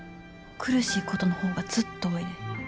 苦しいことの方がずっと多いで。